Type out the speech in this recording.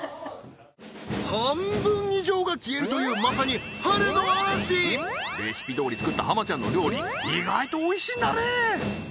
半分以上が消えるというまさに春の嵐レシピどおり作った浜ちゃんの料理意外とおいしいんだね